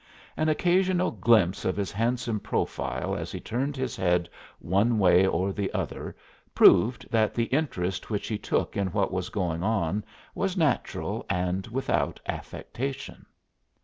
An occasional glimpse of his handsome profile as he turned his head one way or the other proved that the interest which he took in what was going on was natural and without affectation.